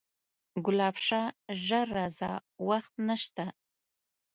ګلاب شاه ژر راځه وخت نسته